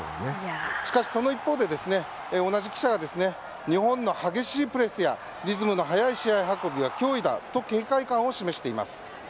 しかしその一方で、同じ記者は日本の激しいプレスやリズムの速い試合運びは脅威だと警戒感を示しています。